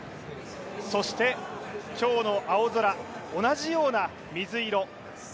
そして今日の青空、同じような水色。